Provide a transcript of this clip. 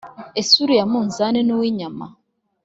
ese uriya munzani nuw'inyama?"